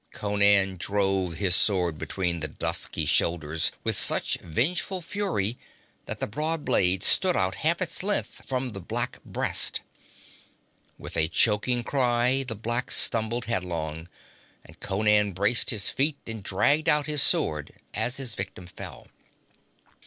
Conan drove his sword between the dusky shoulders with such vengeful fury that the broad blade stood out half its length from the black breast. With a choking cry the black stumbled headlong, and Conan braced his feet and dragged out his sword as his victim fell.